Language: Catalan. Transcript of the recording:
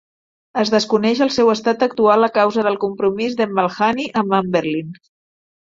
Es desconeix el seu estat actual a causa del compromís de McAlhaney amb Anberlin.